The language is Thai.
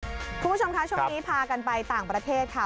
คุณผู้ชมค่ะช่วงนี้พากันไปต่างประเทศค่ะ